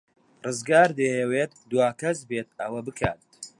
ڕزگار دەیەوێت دوا کەس بێت ئەوە بکات.